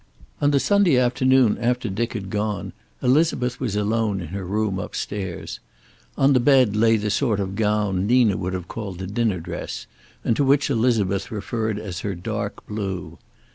On the Sunday afternoon after Dick had gone Elizabeth was alone in her room upstairs. On the bed lay the sort of gown Nina would have called a dinner dress, and to which Elizabeth referred as her dark blue.